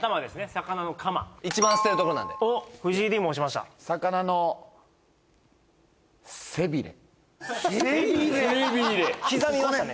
魚のカマ一番捨てるところなんでおっ藤井Ｄも押しました魚の背ビレ刻みましたね